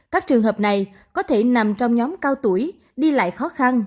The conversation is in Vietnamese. các trường hợp này có thể nằm trong nhóm cao tuổi đi lại khó khăn